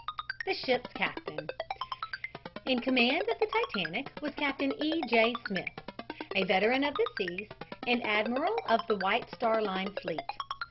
THE SHIP'S CAPTAIN In command of the Titanic was Captain E. J. Smith, a veteran of the seas, and admiral of the White Star Line fleet.